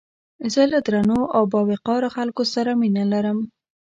زه له درنو او باوقاره خلکو سره مينه لرم